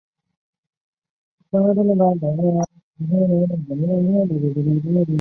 他还批评当局准许赌博活动和对触犯轻微罪行的人士施行体罚的作法。